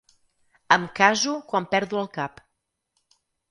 Em caso quan perdo el cap.